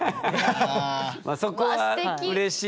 そこはうれしいと。